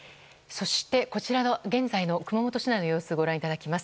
そして、こちらの現在の熊本市内の様子をご覧いただきます。